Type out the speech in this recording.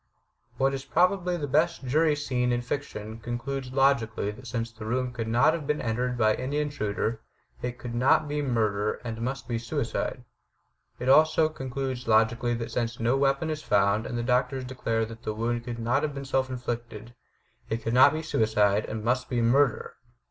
What is probably the best jury scene in fiction concludes logically that since the room could not have been entered by any intruder it could not be murder and must be suicide. It also concludes logically that since no weapon is found and the doctors declare that the wound could not have been self inflicted, it could not be suicide and must be murder!